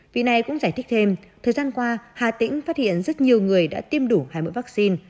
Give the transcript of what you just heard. vì này cũng giải thích thêm thời gian qua hà tĩnh phát hiện rất nhiều người đã tiêm đủ hai mũi vaccine